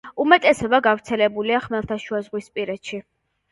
უმეტესობა გავრცელებულია ხმელთაშუაზღვისპირეთში.